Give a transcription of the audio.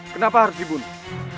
kenapa harus dibunuh